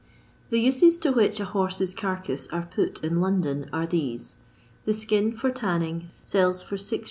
The uses to which a horse's carcaM are put in London are these :— The skin, for tanning, sells for 6s.